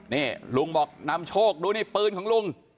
นี่ลุงบอกนำโชคดูนี่ปืนของลุง